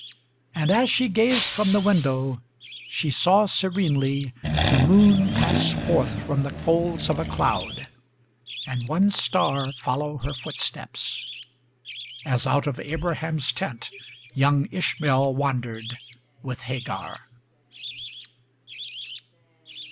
And, as she gazed from the window, she saw serenely the moon pass Forth from the folds of a cloud, and one star follow her footsteps, As out of Abraham's tent young Ishmael wandered with Hagar!